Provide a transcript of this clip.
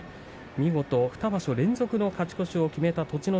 ２場所連続の勝ち越しを決めた栃ノ